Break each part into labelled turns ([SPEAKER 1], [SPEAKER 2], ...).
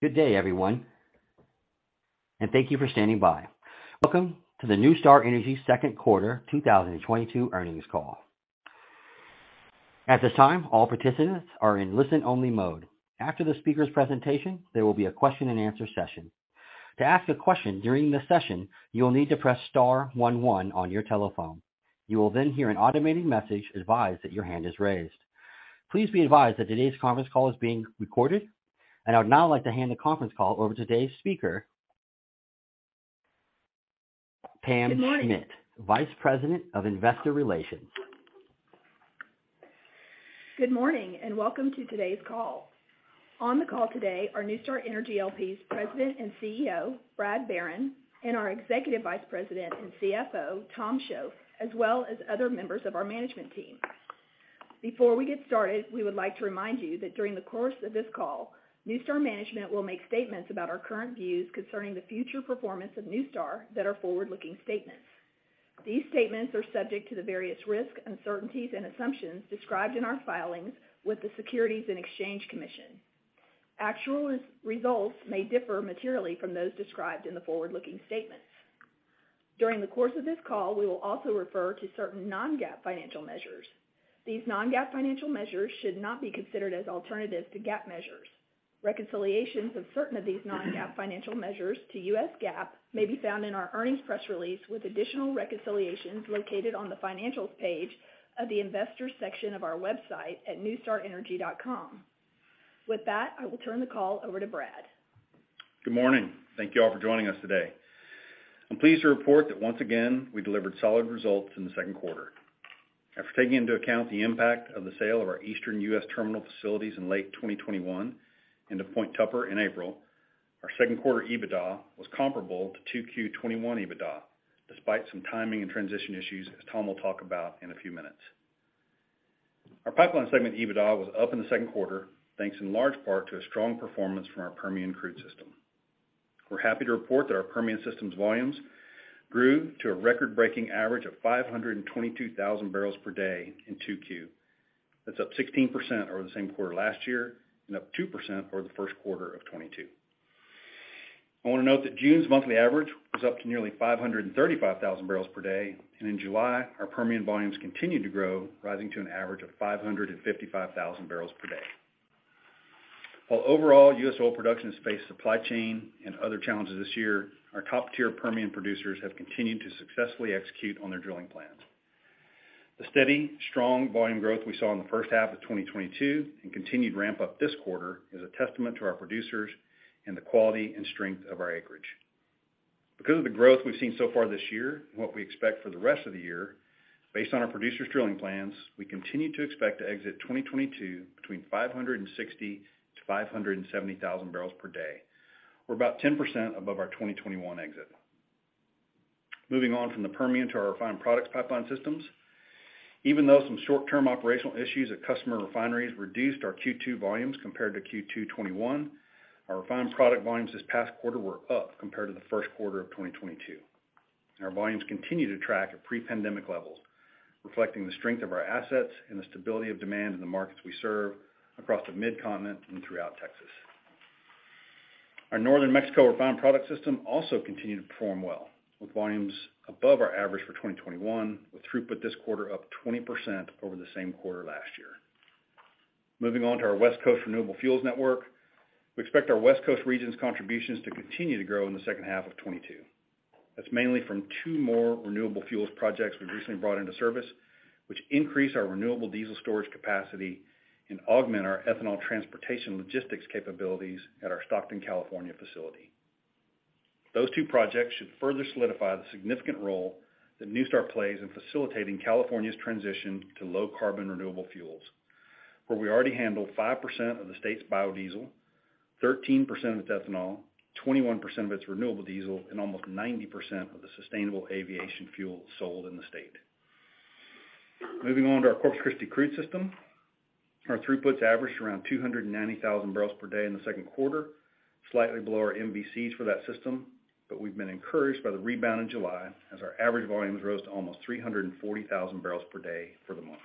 [SPEAKER 1] Good day, everyone, and thank you for standing by. Welcome to the NuStar Energy second quarter 2022 earnings call. At this time, all participants are in listen-only mode. After the speaker's presentation, there will be a question-and-answer session. To ask a question during the session, you will need to press star one one on your telephone. You will then hear an automated message advise that your hand is raised. Please be advised that today's conference call is being recorded. I would now like to hand the conference call over to today's speaker, Pam Schmidt, Vice President of Investor Relations.
[SPEAKER 2] Good morning, and welcome to today's call. On the call today are NuStar Energy L.P.'s President and CEO, Brad Barron, and our Executive Vice President and CFO, Tom Shoaf, as well as other members of our management team. Before we get started, we would like to remind you that during the course of this call, NuStar management will make statements about our current views concerning the future performance of NuStar that are forward-looking statements. These statements are subject to the various risks, uncertainties, and assumptions described in our filings with the Securities and Exchange Commission. Actual results may differ materially from those described in the forward-looking statements. During the course of this call, we will also refer to certain non-GAAP financial measures. These non-GAAP financial measures should not be considered as alternatives to GAAP measures. Reconciliations of certain of these non-GAAP financial measures to U.S. GAAP may be found in our earnings press release, with additional reconciliations located on the Financials page of the Investors section of our website at nustarenergy.com. With that, I will turn the call over to Brad.
[SPEAKER 3] Good morning. Thank you all for joining us today. I'm pleased to report that once again, we delivered solid results in the second quarter. After taking into account the impact of the sale of our Eastern US terminal facilities in late 2021 and Point Tupper in April, our second quarter EBITDA was comparable to 2Q 2021 EBITDA, despite some timing and transition issues, as Tom will talk about in a few minutes. Our Pipeline segment EBITDA was up in the second quarter, thanks in large part to a strong performance from our Permian Crude System. We're happy to report that our Permian systems volumes grew to a record-breaking average of 522,000 barrels per day in 2Q. That's up 16% over the same quarter last year and up 2% over the first quarter of 2022. I wanna note that June's monthly average was up to nearly 535,000 barrels per day, and in July, our Permian volumes continued to grow, rising to an average of 555,000 barrels per day. While overall, US oil production has faced supply chain and other challenges this year, our top-tier Permian producers have continued to successfully execute on their drilling plans. The steady, strong volume growth we saw in the first half of 2022 and continued ramp up this quarter is a testament to our producers and the quality and strength of our acreage. Because of the growth we've seen so far this year, and what we expect for the rest of the year, based on our producers' drilling plans, we continue to expect to exit 2022 between 560,000 to 570,000 barrels per day. We're about 10% above our 2021 exit. Moving on from the Permian to our refined products pipeline systems. Even though some short-term operational issues at customer refineries reduced our Q2 volumes compared to Q2 2021, our refined product volumes this past quarter were up compared to the first quarter of 2022. Our volumes continue to track at pre-pandemic levels, reflecting the strength of our assets and the stability of demand in the markets we serve across the Mid-Continent and throughout Texas. Our Northern Mexico refined product system also continued to perform well, with volumes above our average for 2021, with throughput this quarter up 20% over the same quarter last year. Moving on to our West Coast renewable fuels network. We expect our West Coast region's contributions to continue to grow in the second half of 2022. That's mainly from two more renewable fuels projects we've recently brought into service, which increase our renewable diesel storage capacity and augment our ethanol transportation logistics capabilities at our Stockton, California facility. Those two projects should further solidify the significant role that NuStar plays in facilitating California's transition to low-carbon renewable fuels, where we already handle 5% of the state's biodiesel, 13% of its ethanol, 21% of its renewable diesel, and almost 90% of the sustainable aviation fuel sold in the state. Moving on to our Corpus Christi Crude System. Our throughputs averaged around 290,000 barrels per day in the second quarter, slightly below our MVCs for that system, but we've been encouraged by the rebound in July as our average volumes rose to almost 340,000 barrels per day for the month.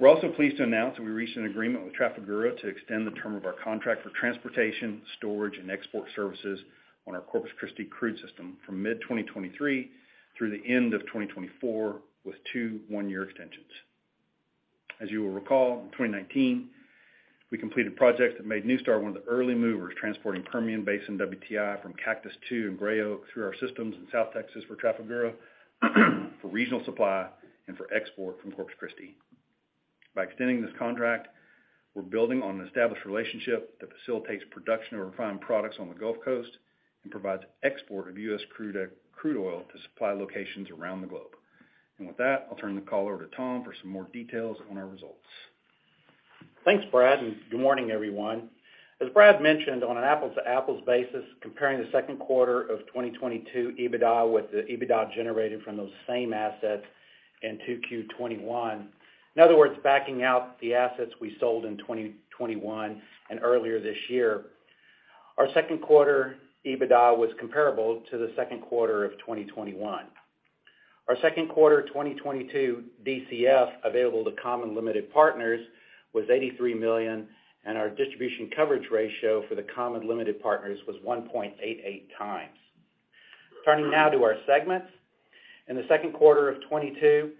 [SPEAKER 3] We're also pleased to announce that we reached an agreement with Trafigura to extend the term of our contract for transportation, storage, and export services on our Corpus Christi Crude System from mid-2023 through the end of 2024, with two 1-year extensions. As you will recall, in 2019, we completed projects that made NuStar one of the early movers transporting Permian Basin WTI from Cactus II in Gray Oak through our systems in South Texas for Trafigura for regional supply and for export from Corpus Christi. By extending this contract, we're building on an established relationship that facilitates production of refined products on the Gulf Coast and provides export of U.S. crude oil to supply locations around the globe. With that, I'll turn the call over to Tom for some more details on our results.
[SPEAKER 4] Thanks, Brad, and good morning, everyone. As Brad mentioned, on an apples-to-apples basis, comparing the second quarter of 2022 EBITDA with the EBITDA generated from those same assets in 2Q 2021, in other words, backing out the assets we sold in 2021 and earlier this year, our second quarter EBITDA was comparable to the second quarter of 2021. Our second quarter 2022 DCF available to common limited partners was $83 million, and our distribution coverage ratio for the common limited partners was 1.88 times. Turning now to our segments. In the second quarter of 2022,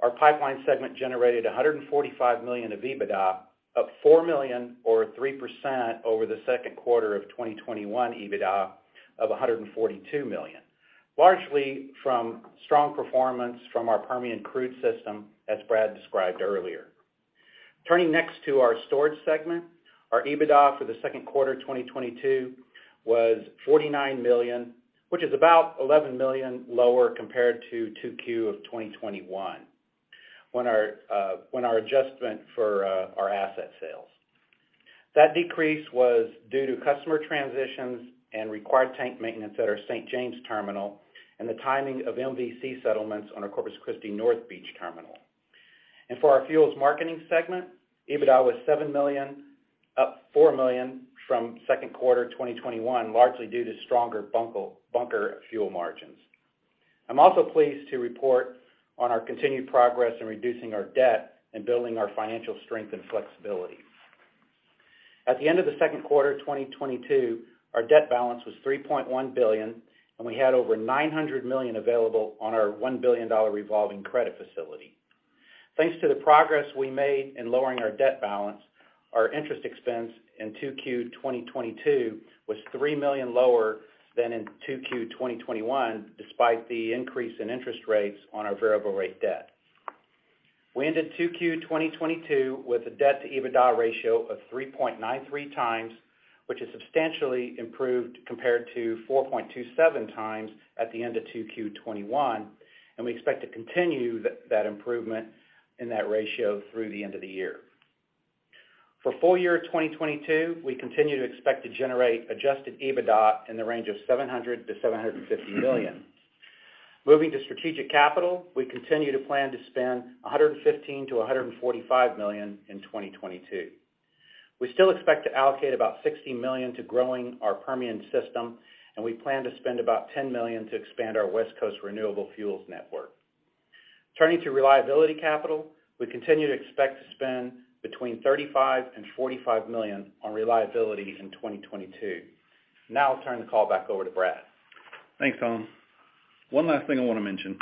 [SPEAKER 4] our pipeline segment generated $145 million of EBITDA, up $4 million or 3% over the second quarter of 2021 EBITDA of $142 million, largely from strong performance from our Permian Crude System, as Brad described earlier. Turning next to our storage segment. Our EBITDA for the second quarter 2022 was $49 million, which is about $11 million lower compared to 2Q of 2021 when our adjustment for our asset sales. That decrease was due to customer transitions and required tank maintenance at our St. James terminal and the timing of MVC settlements on our Corpus Christi North Beach terminal. For our fuels marketing segment, EBITDA was $7 million, up $4 million from second quarter 2021, largely due to stronger bunker fuel margins. I'm also pleased to report on our continued progress in reducing our debt and building our financial strength and flexibility. At the end of the second quarter 2022, our debt balance was $3.1 billion, and we had over $900 million available on our $1 billion revolving credit facility. Thanks to the progress we made in lowering our debt balance, our interest expense in 2Q 2022 was $3 million lower than in 2Q 2021, despite the increase in interest rates on our variable rate debt. We ended 2Q 2022 with a debt-to-EBITDA ratio of 3.93 times, which is substantially improved compared to 4.27 times at the end of 2Q 2021, and we expect to continue that improvement in that ratio through the end of the year. For full year 2022, we continue to expect to generate adjusted EBITDA in the range of $700 million-$750 million. Moving to strategic capital, we continue to plan to spend $115 million-$145 million in 2022. We still expect to allocate about $60 million to growing our Permian system, and we plan to spend about $10 million to expand our West Coast renewable fuels network. Turning to reliability capital, we continue to expect to spend between $35 million and $45 million on reliability in 2022. Now I'll turn the call back over to Brad.
[SPEAKER 3] Thanks, Tom. One last thing I want to mention.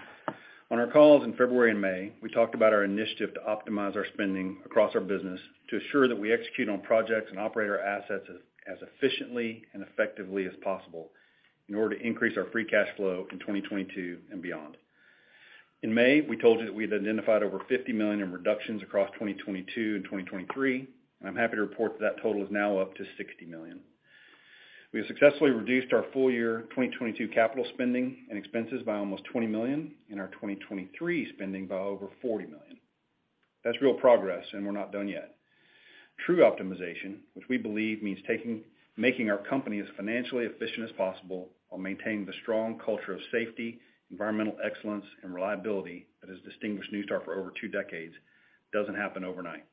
[SPEAKER 3] On our calls in February and May, we talked about our initiative to optimize our spending across our business to assure that we execute on projects and operate our assets as efficiently and effectively as possible in order to increase our free cash flow in 2022 and beyond. In May, we told you that we've identified over $50 million in reductions across 2022 and 2023. I'm happy to report that total is now up to $60 million. We have successfully reduced our full year 2022 capital spending and expenses by almost $20 million and our 2023 spending by over $40 million. That's real progress, and we're not done yet. True optimization, which we believe means making our company as financially efficient as possible while maintaining the strong culture of safety, environmental excellence, and reliability that has distinguished NuStar for over two decades, doesn't happen overnight.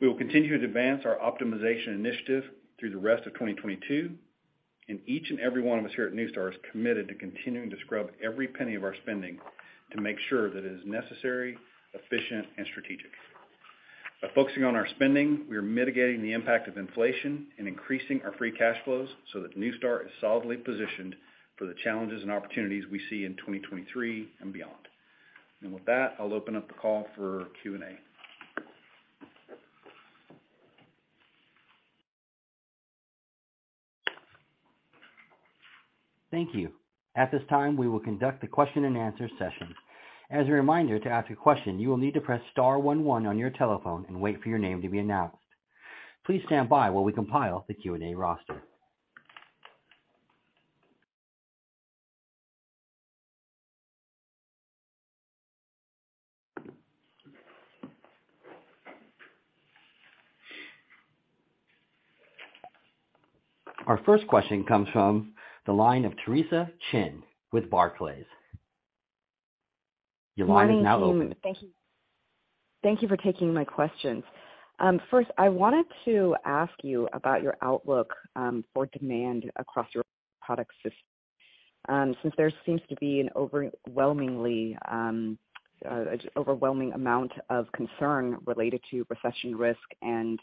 [SPEAKER 3] We will continue to advance our optimization initiative through the rest of 2022, and each and every one of us here at NuStar is committed to continuing to scrub every penny of our spending to make sure that it is necessary, efficient, and strategic. By focusing on our spending, we are mitigating the impact of inflation and increasing our free cash flows so that NuStar is solidly positioned for the challenges and opportunities we see in 2023 and beyond. With that, I'll open up the call for Q&A.
[SPEAKER 1] Thank you. At this time, we will conduct the question-and-answer session. As a reminder, to ask a question, you will need to press star one one on your telephone and wait for your name to be announced. Please stand by while we compile the Q&A roster. Our first question comes from the line of Theresa Chen with Barclays. Your line is now open.
[SPEAKER 5] Good morning, team. Thank you for taking my questions. First, I wanted to ask you about your outlook for demand across your product system, since there seems to be an overwhelming amount of concern related to recession risk and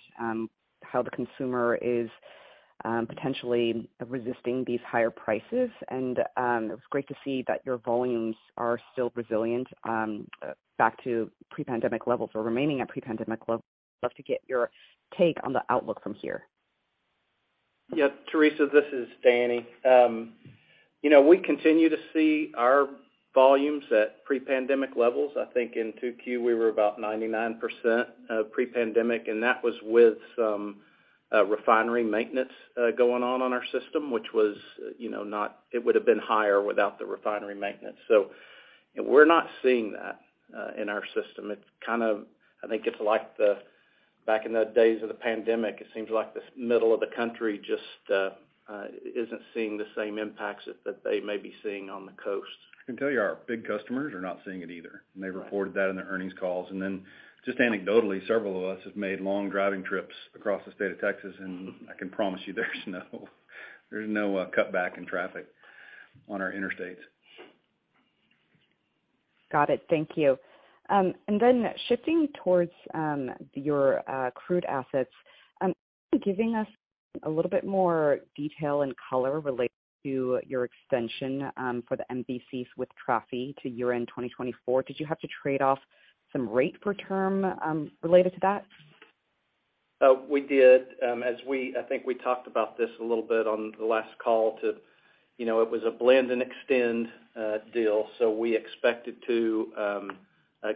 [SPEAKER 5] how the consumer is potentially resisting these higher prices. It was great to see that your volumes are still resilient, back to pre-pandemic levels or remaining at pre-pandemic levels. I'd love to get your take on the outlook from here.
[SPEAKER 6] Yeah, Theresa, this is Danny. You know, we continue to see our volumes at pre-pandemic levels. I think in 2Q, we were about 99% of pre-pandemic, and that was with some refinery maintenance going on our system, which was not. It would have been higher without the refinery maintenance. We're not seeing that in our system. It's kind of, I think it's like the back in the days of the pandemic, it seems like the middle of the country just isn't seeing the same impacts that they may be seeing on the coast.
[SPEAKER 3] I can tell you our big customers are not seeing it either. They've reported that in their earnings calls. Then just anecdotally, several of us have made long driving trips across the state of Texas, and I can promise you there's no There's no cutback in traffic on our interstates.
[SPEAKER 5] Got it. Thank you. Shifting towards your crude assets, giving us a little bit more detail and color related to your extension for the MVCs with Trafigura to year-end 2024. Did you have to trade off some rate for term related to that?
[SPEAKER 6] We did, I think we talked about this a little bit on the last call too it was a blend and extend deal. We expected to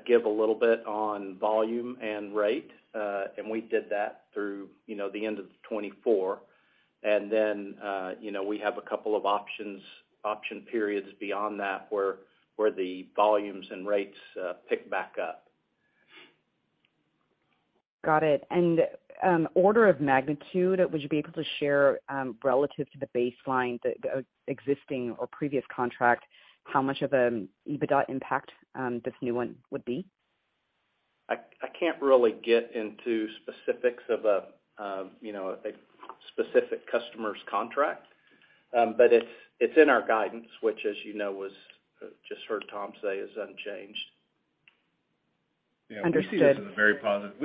[SPEAKER 6] give a little bit on volume and rate, and we did that through the end of the 2024. then we have a couple of options, option periods beyond that where the volumes and rates pick back up.
[SPEAKER 5] Got it. Order of magnitude, would you be able to share, relative to the baseline, the existing or previous contract, how much of an EBITDA impact, this new one would be?
[SPEAKER 6] I can't really get into specifics of a a specific customer's contract. It's in our guidance, which as you know, just heard Tom say, is unchanged.
[SPEAKER 5] Understood.
[SPEAKER 3] Yeah, we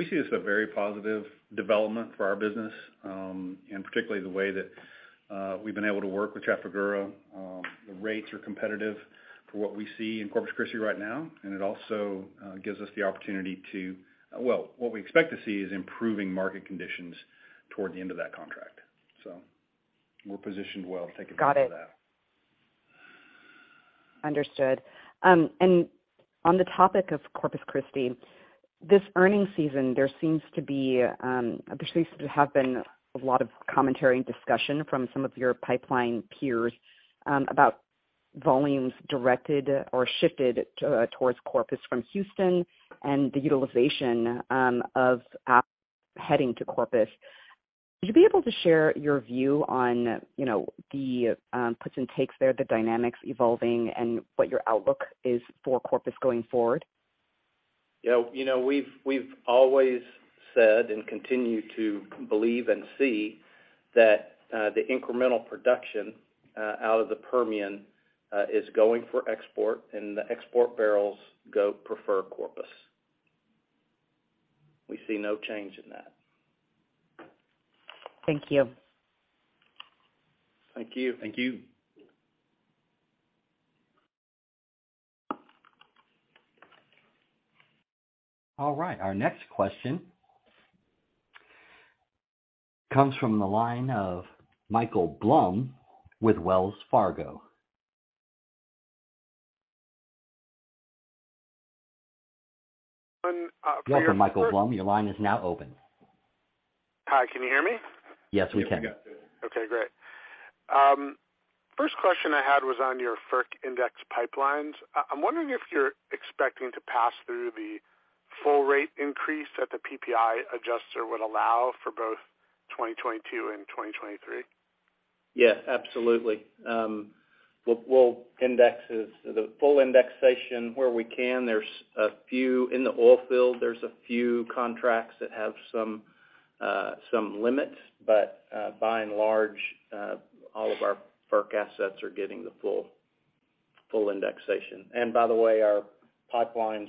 [SPEAKER 3] see this as a very positive development for our business, and particularly the way that we've been able to work with Trafigura. The rates are competitive for what we see in Corpus Christi right now, and it also gives us the opportunity. Well, what we expect to see is improving market conditions toward the end of that contract. We're positioned well to take advantage of that.
[SPEAKER 5] Got it. Understood. On the topic of Corpus Christi, this earnings season, there seems to have been a lot of commentary and discussion from some of your pipeline peers about volumes directed or shifted towards Corpus from Houston and the utilization of heading to Corpus. Would you be able to share your view on the puts and takes there, the dynamics evolving and what your outlook is for Corpus going forward?
[SPEAKER 6] yeah we've always said and continue to believe and see that the incremental production out of the Permian is going for export, and the export barrels go, prefer Corpus. We see no change in that.
[SPEAKER 5] Thank you.
[SPEAKER 6] Thank you.
[SPEAKER 3] Thank you.
[SPEAKER 1] All right, our next question comes from the line of Michael Blum with Wells Fargo. Michael Blum, your line is now open.
[SPEAKER 7] Hi, can you hear me?
[SPEAKER 1] Yes, we can.
[SPEAKER 6] Yes, we got you.
[SPEAKER 7] Okay, great. First question I had was on your FERC index pipelines. I'm wondering if you're expecting to pass through the full rate increase that the PPI adjuster would allow for both 2022 and 2023.
[SPEAKER 6] Yes, absolutely. We'll index the full indexation where we can. There's a few in the oil field, a few contracts that have some limits, but by and large, all of our FERC assets are getting the full indexation. By the way, our pipeline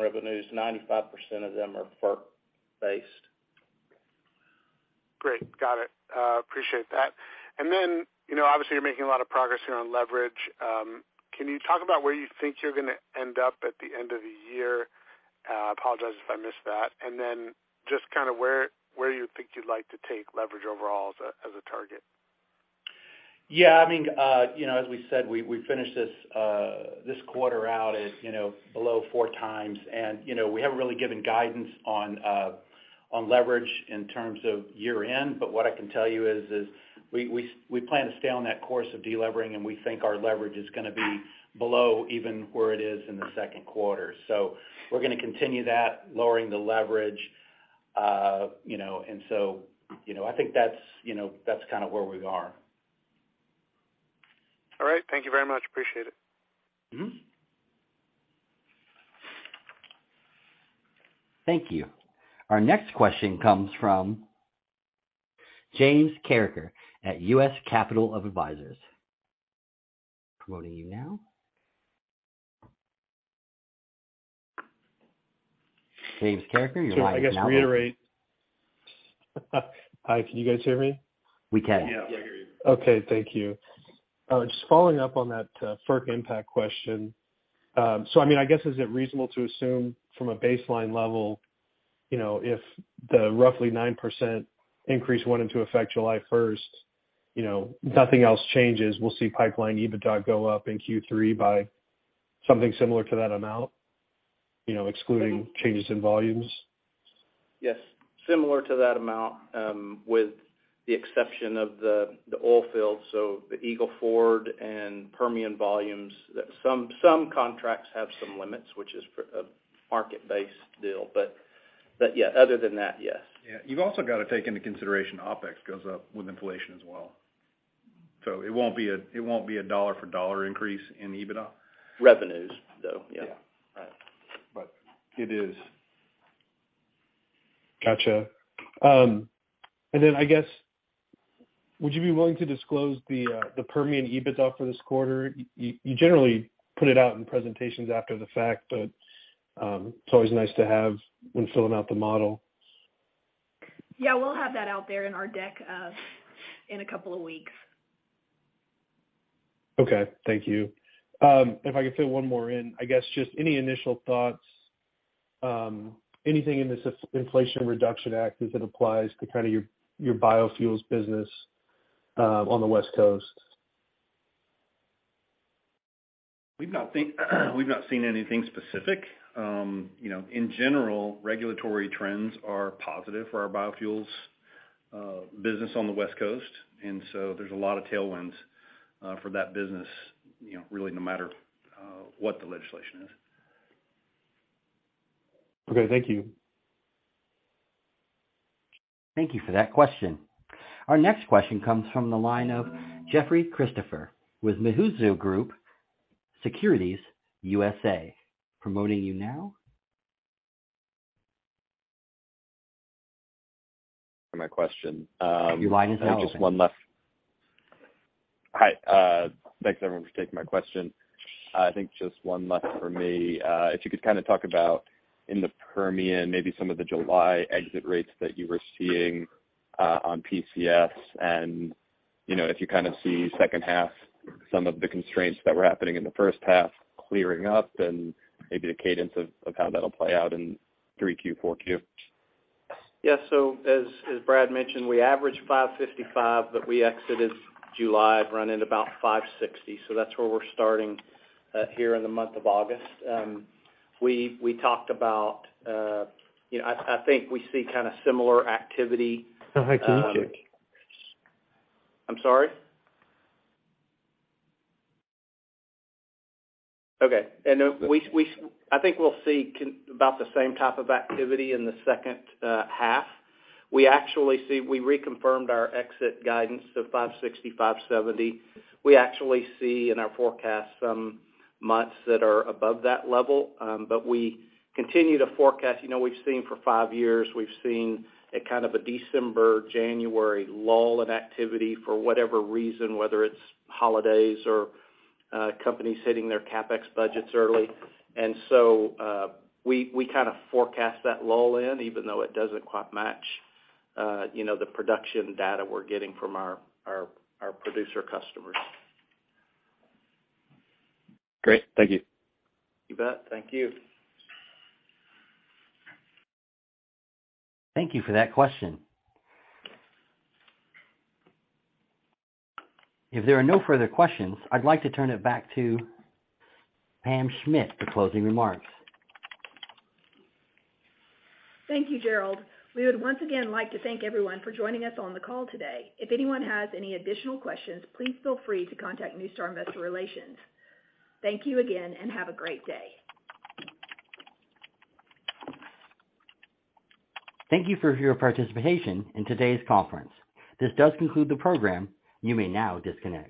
[SPEAKER 6] revenues, 95% of them are FERC based.
[SPEAKER 7] Great. Got it. Appreciate that. You know, obviously, you're making a lot of progress here on leverage. Can you talk about where you think you're gonna end up at the end of the year? I apologize if I missed that. Just kind of where you think you'd like to take leverage overall as a target.
[SPEAKER 6] Yeah, I mean as we said, we finished this quarter out at below four times. You know, we haven't really given guidance on leverage in terms of year-end, but what I can tell you is we plan to stay on that course of delevering, and we think our leverage is gonna be below even where it is in the second quarter. We're gonna continue that, lowering the leverage. You know, I think that's that's kind of where we are.
[SPEAKER 7] All right. Thank you very much. Appreciate it.
[SPEAKER 1] Thank you. Our next question comes from James Carriker at U.S. Capital Advisors. Patching you now. James Carriker, your line is now open.
[SPEAKER 8] Hi, can you guys hear me?
[SPEAKER 1] We can.
[SPEAKER 6] Yeah.
[SPEAKER 3] Yeah, I hear you.
[SPEAKER 8] Okay. Thank you. Just following up on that, FERC impact question. So I mean, I guess, is it reasonable to assume from a baseline level if the roughly 9% increase went into effect July first nothing else changes, we'll see pipeline EBITDA go up in Q3 by something similar to that amount? You know, excluding changes in volumes.
[SPEAKER 6] Yes. Similar to that amount, with the exception of the oil fields. The Eagle Ford and Permian volumes, some contracts have some limits, which is for a market-based deal. Yeah, other than that, yes.
[SPEAKER 3] Yeah. You've also got to take into consideration OpEx goes up with inflation as well. It won't be a dollar for dollar increase in EBITDA.
[SPEAKER 6] Revenues, though. Yeah.
[SPEAKER 3] Yeah.
[SPEAKER 6] Right.
[SPEAKER 3] It is.
[SPEAKER 8] Gotcha. I guess, would you be willing to disclose the Permian EBITDA for this quarter? You generally put it out in presentations after the fact, but it's always nice to have when filling out the model.
[SPEAKER 2] Yeah, we'll have that out there in our deck, in a couple of weeks.
[SPEAKER 8] Okay. Thank you. If I could fit one more in, I guess just any initial thoughts, anything in this Inflation Reduction Act as it applies to kinda your biofuels business on the West Coast?
[SPEAKER 6] We've not seen anything specific. You know, in general, regulatory trends are positive for our biofuels business on the West Coast. There's a lot of tailwinds for that business really no matter what the legislation is.
[SPEAKER 8] Okay, thank you.
[SPEAKER 1] Thank you for that question. Our next question comes from the line of Christopher Parkinson with Mizuho Securities USA. Prompting you now.
[SPEAKER 9] My question.
[SPEAKER 1] Your line is now open.
[SPEAKER 9] Just one left. Hi, thanks everyone for taking my question. I think just one left for me. If you could kinda talk about in the Permian, maybe some of the July exit rates that you were seeing on PCS and if you kind of see second half some of the constraints that were happening in the first half clearing up and maybe the cadence of how that'll play out in 3Q, 4Q.
[SPEAKER 6] Yeah. As Brad mentioned, we averaged 555, but we exited July running about 560. That's where we're starting here in the month of August. We talked about I think we see kinda similar activity.
[SPEAKER 9] Oh, hi, can you hear me?
[SPEAKER 6] I'm sorry? Okay. No, I think we'll see about the same type of activity in the second half. We actually see. We reconfirmed our exit guidance to 560-570. We actually see in our forecast some months that are above that level, but we continue to forecast. You know, we've seen for five years, we've seen a kind of a December, January lull of activity for whatever reason, whether it's holidays or companies hitting their CapEx budgets early. We kind of forecast that lull in, even though it doesn't quite match the production data we're getting from our producer customers.
[SPEAKER 9] Great. Thank you.
[SPEAKER 6] You bet. Thank you.
[SPEAKER 1] Thank you for that question. If there are no further questions, I'd like to turn it back to Pam Schmidt for closing remarks.
[SPEAKER 2] Thank you, Gerald. We would once again like to thank everyone for joining us on the call today. If anyone has any additional questions, please feel free to contact NuStar Investor Relations. Thank you again, and have a great day.
[SPEAKER 1] Thank you for your participation in today's conference. This does conclude the program. You may now disconnect.